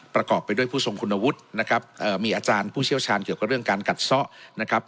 ประกอบไปด้วยผู้ทรงคุณวุฒินะครับมีอาจารย์ผู้เชี่ยวชาญเกี่ยวกับเรื่องการกัดซ่อนะครับ